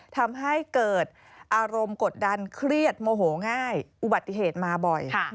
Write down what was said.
ทำให้เกิดอารมณ์กดดันเครียดโมโหง่ายอุบัติเหตุมาบ่อย